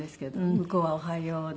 向こうは「おはよう」で。